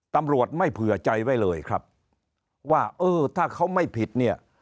ตำรวจไม่เผื่อใจไว้เลยครับว่าเออถ้าเขาไม่ผิดเนี่ย